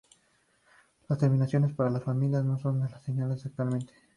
Las terminaciones para las familias no son lo que señalan actualmente.